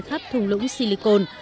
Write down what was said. khắp thùng lũng silicon